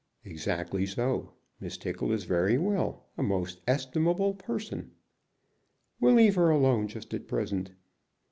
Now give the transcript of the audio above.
"Exactly so. Miss Tickle is very well; a most estimable person." "We'll leave her alone just at present."